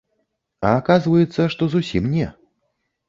А аказваецца, што зусім не.